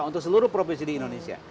untuk seluruh provinsi di indonesia